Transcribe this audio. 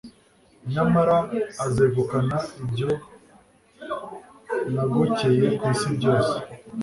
nyamara, azegukana ibyo nagokeye ku isi byose